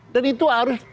dan itu harus